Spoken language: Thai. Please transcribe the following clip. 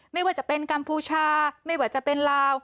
ไม่ว่าจะเป็นกัมพูชาไม่ว่าจะเป็นลาว